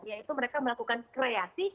yaitu mereka melakukan kreasi